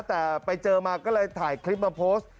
แต่ไปเจอมาก็เลยถ่ายคลิปมาโพสต์